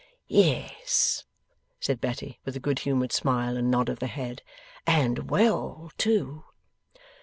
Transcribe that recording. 'Yes,' said Betty with a good humoured smile and nod of the head. 'And well too.